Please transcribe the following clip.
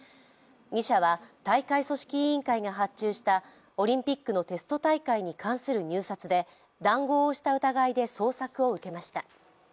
２社は大会組織委員会が発注したオリンピックのテスト大会に関する入札で談合をした疑いで捜索を受けました。